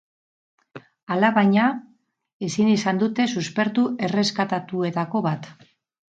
Alabaina, ezin izan dute suspertu erreskatatuetako bat.